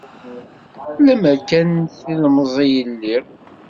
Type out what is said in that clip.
Lemer kan d ilemẓi i lliɣ.